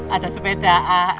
ada sepeda a